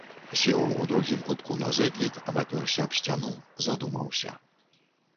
Сеў у другім кутку на зэдлік, абапёрся аб сцяну, задумаўся.